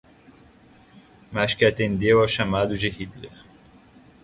mas que atendeu aos chamados de Hitler